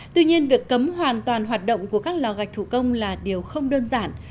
tuy nhiên việc cấm hoàn toàn hoạt động của các lò gạch thủ công là điều không đơn giản